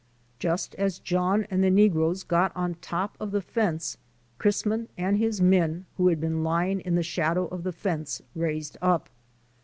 Just as John and the negroes got on top of the fence Chrisman and his men, who had been lying in the shadow of the fence, raised up.